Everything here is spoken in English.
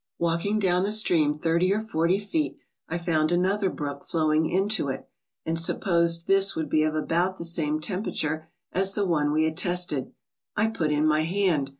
Walking down the stream thirty or forty feet, I found another brook flowing into it, and supposed this would be of about the same temperature as the one we had tested. I put in my hand.